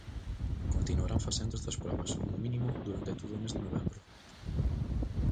Continuarán facendo estas probas, como mínimo, durante todo o mes de novembro.